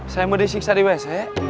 saya mau disiksa di wc